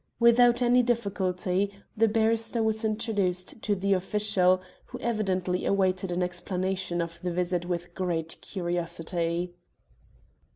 Without any difficulty, the barrister was introduced to the official, who evidently awaited an explanation of the visit with great curiosity.